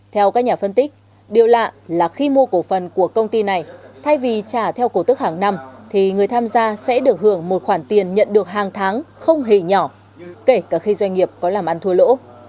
theo các nhà phân tích điều lạ là khi mua cổ phần của công ty này thay vì trả theo cổ tức hàng năm thì người tham gia sẽ được hưởng một khoản tiền nhận được hàng tháng không hề nhỏ kể cả khi doanh nghiệp có làm ăn thua lỗ